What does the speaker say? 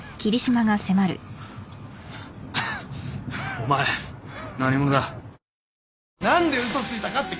お前何者だ？